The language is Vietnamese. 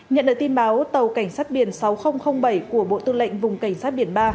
nhận được tin báo tàu cảnh sát biển sáu nghìn bảy của bộ tư lệnh vùng cảnh sát biển ba